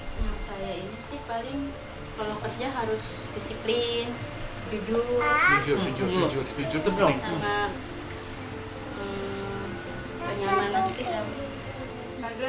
sama saya ini sering banget sih